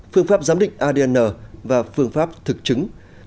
phương pháp giám định adn và phương pháp thực chứng